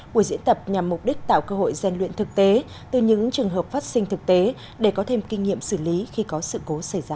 buổi diễn tập nhằm mục đích tạo cơ hội gian luyện thực tế từ những trường hợp phát sinh thực tế để có thêm kinh nghiệm xử lý khi có sự cố xảy ra